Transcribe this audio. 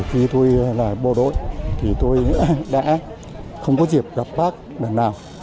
khi tôi là bộ đội thì tôi đã không có dịp gặp bác lần nào